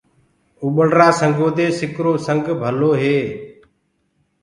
اُڀݪرآ سنگو دي سِڪرو سبگ ڀلو هي۔